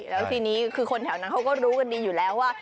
แล้วทีนี้คือคนแถวนั้นเขาก็รู้กันดีอยู่แล้วว่า